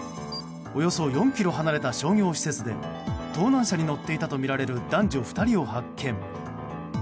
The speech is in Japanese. およそ４ｋｍ離れた商業施設で盗難車に乗っていたとみられる男女２人を発見。